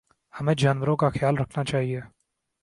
ہمیں جانوروں کا خیال رکھنا چاہیے